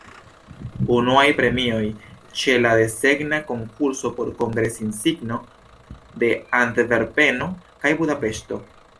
Unuaj premioj ĉe la desegna konkurso por kongres-insigno de Antverpeno kaj Budapeŝto.